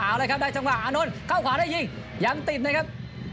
อ๋าวได้จังหวะอานนท์เข้าขวาได้ยิงยังติดนะครับ